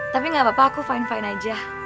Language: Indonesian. tapi gak apa apa aku fine fine aja